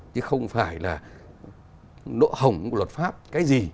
chứ không phải là lỗ hổng của luật pháp cái gì